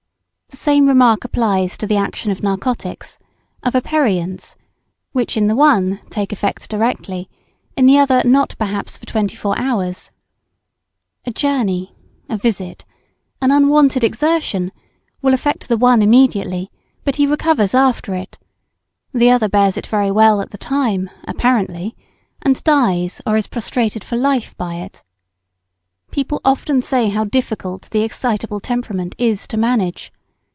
The same remark applies to the action of narcotics, of aperients, which, in the one, take effect directly, in the other not perhaps for twenty four hours. A journey, a visit, an unwonted exertion, will affect the one immediately, but he recovers after it; the other bears it very well at the time, apparently, and dies or is prostrated for life by it. People often say how difficult the excitable temperament is to manage.